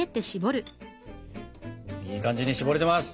いい感じにしぼれてます。